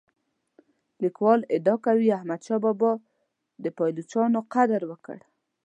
لیکوال ادعا کوي احمد شاه بابا د پایلوچانو قدر وکړ.